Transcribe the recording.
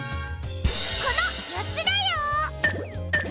このよっつだよ！